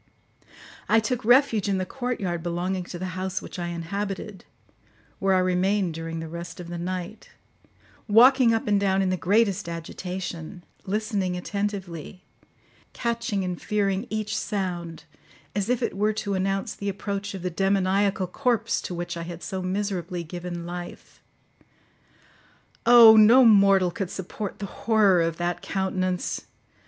I took refuge in the courtyard belonging to the house which I inhabited, where I remained during the rest of the night, walking up and down in the greatest agitation, listening attentively, catching and fearing each sound as if it were to announce the approach of the demoniacal corpse to which I had so miserably given life. Oh! No mortal could support the horror of that countenance.